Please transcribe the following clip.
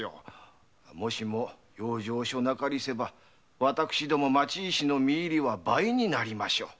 もしも養生所なかりせば私ども町医師の実入りは倍になるはず。